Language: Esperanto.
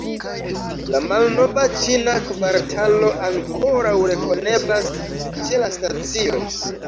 La malnova ĉina kvartalo ankoraŭ rekoneblas ĉe la stacio.